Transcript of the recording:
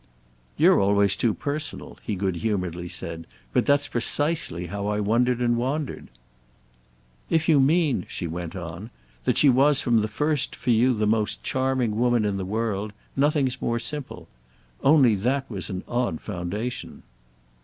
"You're always too personal," he good humouredly said; "but that's precisely how I wondered and wandered." "If you mean," she went on, "that she was from the first for you the most charming woman in the world, nothing's more simple. Only that was an odd foundation."